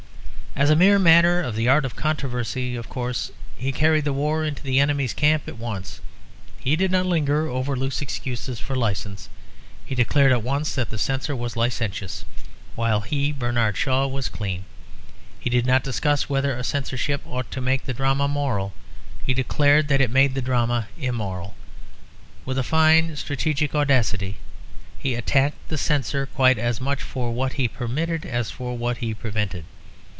As a mere matter of the art of controversy of course he carried the war into the enemy's camp at once. He did not linger over loose excuses for licence; he declared at once that the Censor was licentious, while he, Bernard Shaw, was clean. He did not discuss whether a Censorship ought to make the drama moral. He declared that it made the drama immoral. With a fine strategic audacity he attacked the Censor quite as much for what he permitted as for what he prevented.